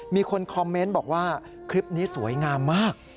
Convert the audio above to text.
มีคนคอมเมนต์บอกว่าคลิปนี้สวยงามมาก